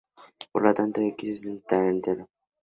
Por lo tanto, "x" es un entero.